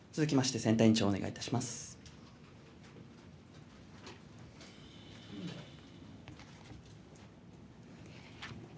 続きまして、選対委員長お願いいたします。